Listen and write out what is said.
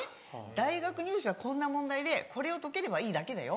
大学入試はこんな問題でこれを解ければいいだけだよ。